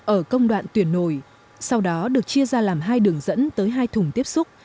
ở công đoạn tuyển nổi sau đó được chia ra làm hai đường dẫn tới hai thùng tiếp xúc